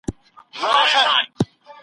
تاسو د مڼې د اوبو په څښلو بوخت یاست.